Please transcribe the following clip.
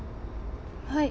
はい。